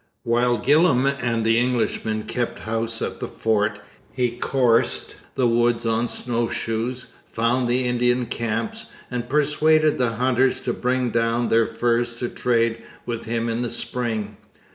While Gillam and the Englishmen kept house at the fort, he coursed the woods on snow shoes, found the Indian camps, and persuaded the hunters to bring down their furs to trade with him in the spring.